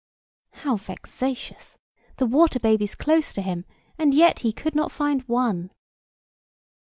How vexatious! The water babies close to him, and yet he could not find one.